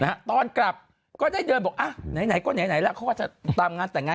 ตอนกลับก็ได้เดินบอกอ่ะไหนไหนก็ไหนไหนแล้วเขาก็จะตามงานแต่งงาน